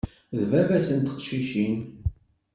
D baba-s n teqcicin.